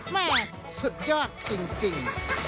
แม่สุดยอดจริง